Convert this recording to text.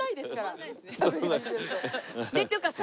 ねえというかさ。